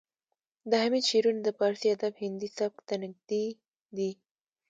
د حمید شعرونه د پارسي ادب هندي سبک ته نږدې دي